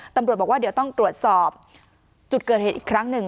ตำรวจบอกว่าเดี๋ยวต้องตรวจสอบจุดเกิดเหตุอีกครั้งหนึ่ง